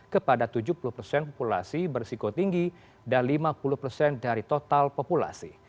kepada tujuh puluh persen populasi bersiko tinggi dan lima puluh persen dari total populasi